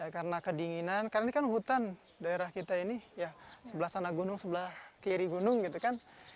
karena kedinginan karena ini kan hutan daerah kita ini ya sebelah sana gunung sebelah kiri gunung gitu kan